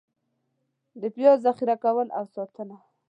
د پیاز ذخېره کول او ساتنه: